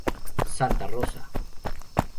Santa Rosa.